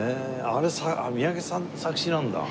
あれ三宅さん作詞なんだ。